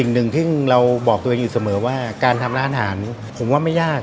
หนึ่งที่เราบอกตัวอยู่เสมอว่าการทำราธาริย์อาหารผมว่าไม่ยาก